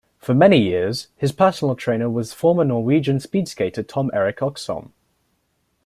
For many years, his personal trainer was former Norwegian speed skater Tom Erik Oxholm.